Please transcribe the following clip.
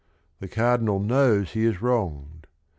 The Cardinal knows he is wronged.